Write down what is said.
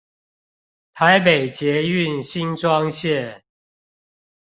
台北捷運新莊線